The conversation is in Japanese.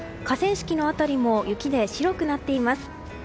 河川敷の辺りも雪で白くなっています。